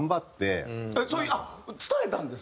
あっ伝えたんですね！